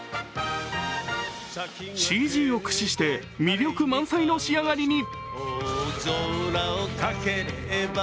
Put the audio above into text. ＣＧを駆使して、魅力満載の仕上がりに。